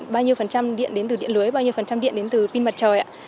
bao nhiêu phần trăm điện đến từ điện lưới bao nhiêu phần trăm điện đến từ pin mặt trời ạ